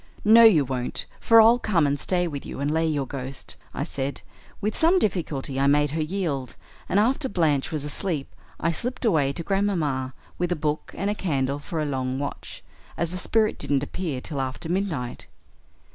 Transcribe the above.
"'No, you won't, for I'll come and stay with you and lay your ghost,' I said. With some difficulty I made her yield, and after Blanche was asleep I slipped away to Grandmamma, with a book and candle for a long watch, as the spirit didn't appear till after midnight.